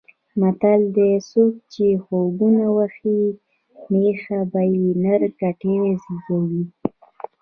متل دی: څوک چې خوبونه وهي مېښه به یې نر کټي زېږوي.